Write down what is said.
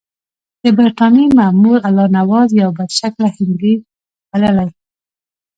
د برټانیې مامور الله نواز یو بدشکله هندی بللی.